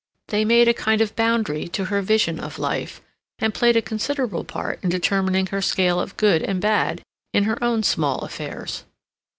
They made a kind of boundary to her vision of life, and played a considerable part in determining her scale of good and bad in her own small affairs.